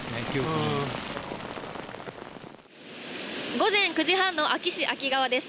午前９時半の安芸市安芸川です。